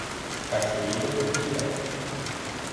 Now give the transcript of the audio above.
Cachoeira do Piriá